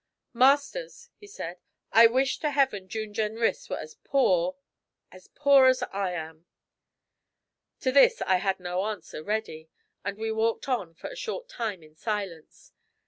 'Masters,' he said, 'I wish to heaven June Jenrys were as poor as poor as I am!' To this I had no answer ready, and we walked on for a short time in silence.